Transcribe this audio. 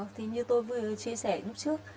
thì như tôi vừa chia sẻ lúc trước